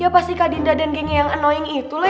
pasti kak dinda yang annoying itu lah